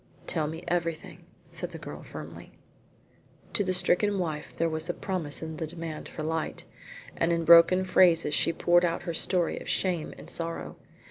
"Tell me everything," said the girl firmly. To the stricken wife there was a promise in the demand for light, and in broken phrases she poured out her story of shame and sorrow.